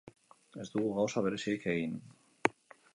Ez dugu gauza berezirik egin.